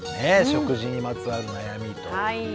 「食事にまつわる悩み」という。